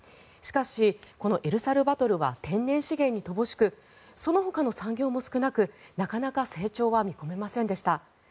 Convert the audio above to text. しかし、このエルサルバドルは天然資源に乏しくそのほかの産業も少なくなかなか成長は見込めませんでした。